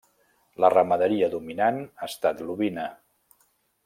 La ramaderia dominant ha estat l'ovina.